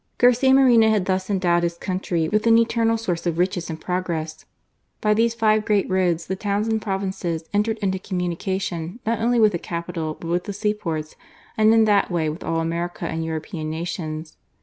Garcia Moreno had thus endowed his country with an eternal source of riches and progress. By these five great roads the towns and provinces entered into communication, not only with the capital, but with the seaports, and in that way with all American and European nations.